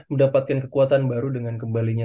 mendapatkan kekuatan baru dengan kembalinya